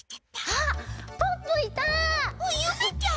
あっゆめちゃん！